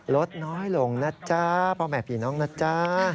ลดน้อยลงนะจ๊ะพ่อแม่ผีน้องนะจ๊ะ